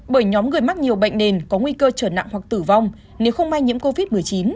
bởi nhóm người mắc nhiều bệnh nền có nguy cơ trở nặng hoặc tử vong nếu không may nhiễm covid một mươi chín